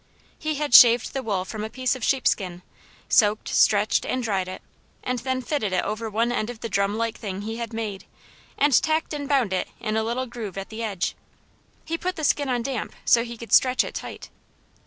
He had shaved the wool from a piece of sheepskin, soaked, stretched, and dried it, and then fitted it over one end of the drumlike thing he had made, and tacked and bound it in a little groove at the edge. He put the skin on damp so he could stretch it tight.